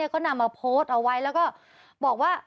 ก็นำมาโพสต์เอาไว้แล้วก็บอกว่า